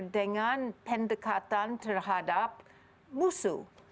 dengan pendekatan terhadap musuh